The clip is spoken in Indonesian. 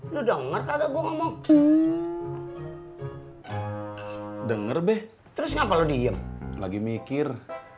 kontraknya eh udah enggak gue ngomong denger be terus ngapa lo diem lagi mikir